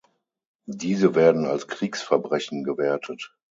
Diese werden als Kriegsverbrechen gewertet.